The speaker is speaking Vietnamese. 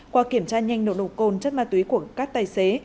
qua kiểm tra nhanh nộp nộp côn chất ma túy của các tài xế